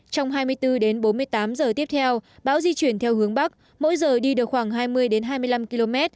trong hai mươi bốn đến bốn mươi tám giờ tiếp theo bão di chuyển theo hướng bắc mỗi giờ đi được khoảng hai mươi hai mươi năm km